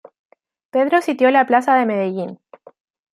Pedro sitió la plaza de Medellín.